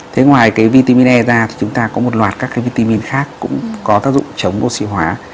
thế ngoài cái vitamine ra thì chúng ta có một loạt các cái vitamin khác cũng có tác dụng chống oxy hóa